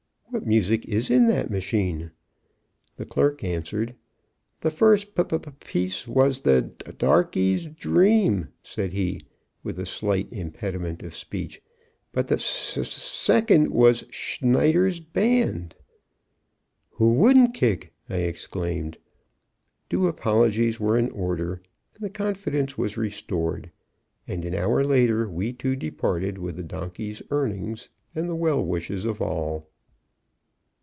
"What music is in that machine?" The clerk answered. "The first p p piece was the "Darkey's Dream,"" said he, with slight impediment of speech, "but the s s second was "Schneider's Band."" "Who wouldn't kick!" I exclaimed. Due apologies were in order, and confidence was restored, and an hour later we two departed with the donkey's earnings and the well wishes of all.